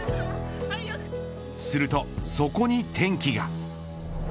するとそこに転機が。